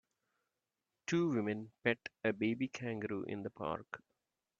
Two women pet a baby kangaroo in the park.